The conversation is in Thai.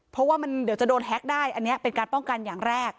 เพราะว่ามันเดี๋ยวจะโดนแฮ็กได้อันนี้เป็นการป้องกันอย่างแรก